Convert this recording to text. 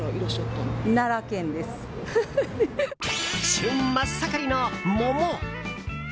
旬真っ盛りの桃！